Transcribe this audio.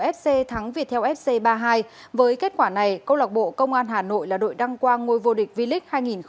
fc thắng việt theo fc ba hai với kết quả này công lọc bộ công an hà nội là đội đăng quang ngôi vô địch v lic hai nghìn hai mươi ba